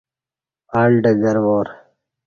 ال ڈگروار